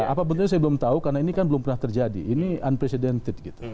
apa bentuknya saya belum tahu karena ini kan belum pernah terjadi ini unprecedented gitu